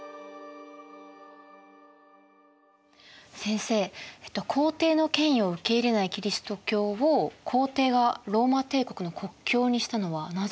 先生皇帝の権威を受け入れないキリスト教を皇帝がローマ帝国の国教にしたのはなぜですか。